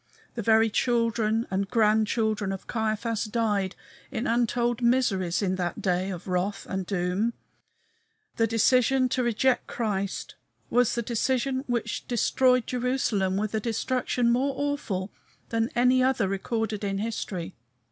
The very children and grandchildren of Caiaphas died in untold miseries in that day of wrath and doom. The decision to reject Christ was the decision which destroyed Jerusalem with a destruction more awful than any other recorded in history.